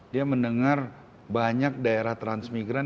dia mendengar banyak daerah transmigran